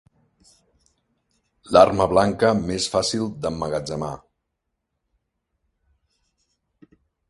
L'arma blanca més fàcil d'emmagatzemar.